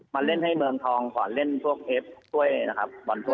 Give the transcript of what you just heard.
มาเล่นให้เมืองทองก่อนเล่นพวกเอฟถ้วยนะครับ